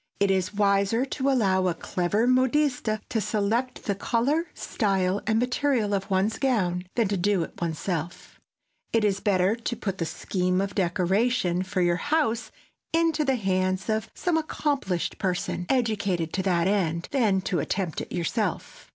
It is wiser to allow a clever modiste to select the color, style and material of one's gown than to do it one's self. It is better to put the scheme of decoration for your house into the hands of some accomplished person, educated to that end, than to attempt it yourself.